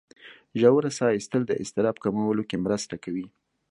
ژوره ساه ایستل د اضطراب کمولو کې مرسته کوي.